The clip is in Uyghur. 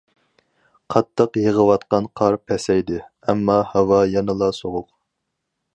قاتتىق يېغىۋاتقان قار پەسەيدى، ئەمما ھاۋا يەنىلا سوغۇق.